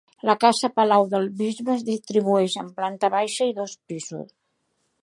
La Casa Palau del Bisbe es distribueix en planta baixa i dos pisos.